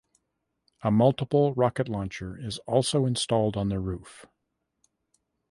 A multiple rocket launcher is also installed on the roof.